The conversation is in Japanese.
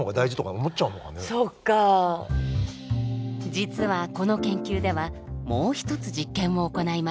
実はこの研究ではもう一つ実験を行いました。